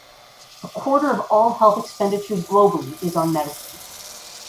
A quarter of all health expenditures globally is on medicines.